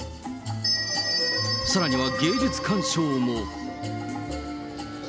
さらには芸術鑑賞も。